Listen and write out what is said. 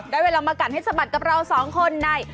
ได้เวลามากันให้สมัดครับเราสองคนใน